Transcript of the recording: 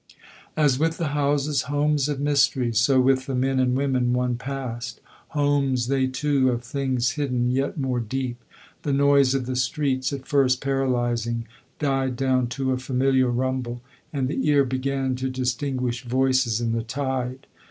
As with the houses, homes of mystery, so with the men and women one passed; homes, they too, of things hidden yet more deep. The noise of the streets, at first paralysing, died down to a familiar rumble, and the ear began to distinguish voices in the tide.